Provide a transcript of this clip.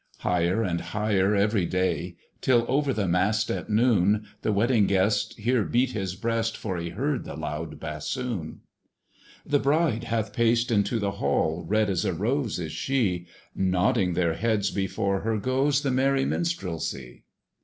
Higher and higher every day, Till over the mast at noon The Wedding Guest here beat his breast, For he heard the loud bassoon. The bride hath paced into the hall, Red as a rose is she; Nodding their heads before her goes The merry minstrelsy.